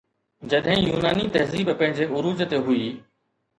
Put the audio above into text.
جڏهن يوناني تهذيب پنهنجي عروج تي هئي